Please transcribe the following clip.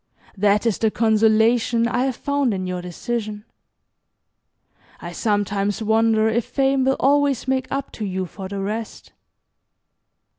That is the consolation I have found in your decision. I sometimes wonder if Fame will always make up to you for the rest.